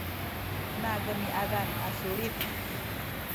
nademiad a sulit